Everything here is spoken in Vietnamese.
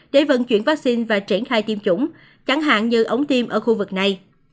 để vận chuyển vắc xin và triển khai tiêm chủng chẳng hạn như ống tiêm ở khu vực này